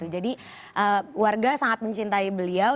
jadi warga sangat mencintai beliau